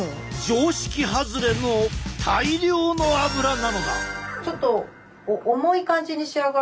常識外れの大量の油なのだ！